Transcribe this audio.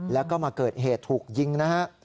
แล้วก็มาเกิดเหตุถูกยิงนะฮะ